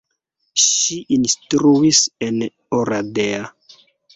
Ŝi instruis en Oradea.